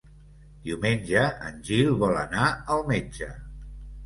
Diumenge en Gil vol anar al metge.